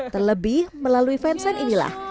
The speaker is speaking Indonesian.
terlebih melalui fansite inilah